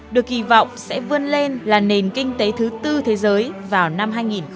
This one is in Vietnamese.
được kỳ vọng sẽ vươn lên là nền kinh tế thứ tư thế giới vào năm hai nghìn ba mươi